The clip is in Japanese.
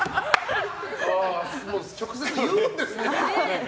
直接言うんですね。